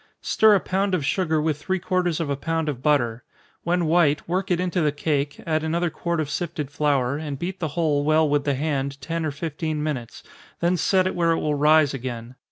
Stir a pound of sugar with three quarters of a pound of butter when white, work it into the cake, add another quart of sifted flour, and beat the whole well with the hand ten or fifteen minutes, then set it where it will rise again.